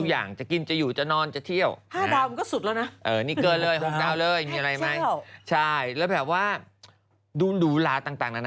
ก็มีคนเขียนมาแล้วก็บอกว่าดูไม่แพง